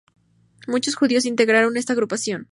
Muchos judíos integraron esta agrupación.